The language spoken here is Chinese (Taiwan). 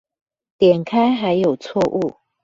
點開還有錯誤